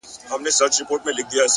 o زه ؛ ته او سپوږمۍ؛